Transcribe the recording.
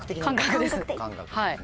感覚です。